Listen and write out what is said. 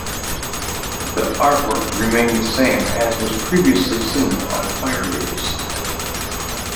The artwork remained the same as was previously seen on the Fire release.